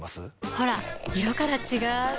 ほら色から違う！